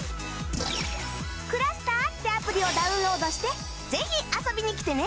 ｃｌｕｓｔｅｒ ってアプリをダウンロードしてぜひ遊びに来てね！